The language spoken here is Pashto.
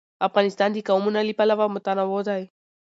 افغانستان د قومونه له پلوه متنوع دی.